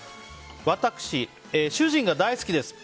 私、主人が大好きです。